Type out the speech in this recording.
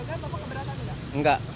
enggak apa apa keberatan enggak